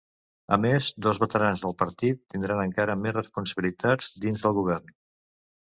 A més, dos veterans del partit tindran encara més responsabilitats dins del govern.